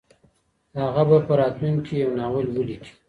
هغه به په راتلونکي کي یو ناول ولیکي.